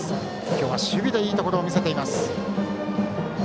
今日は守備でいいところを見せています。